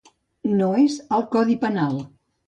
No és al codi penal.